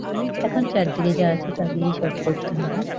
এখানে চারদিকে যা আছে তা দিয়েই সব করতে হবে।